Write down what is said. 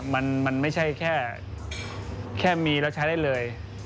มันไม่ใช่แค่มีแล้วใช้ได้เลย